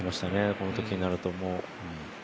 このときになると。